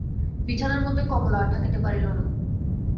বিছানার মধ্যে কমলা আর থাকিতে পারিল না।